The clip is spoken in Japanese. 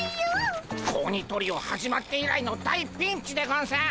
子鬼トリオ始まって以来の大ピンチでゴンス！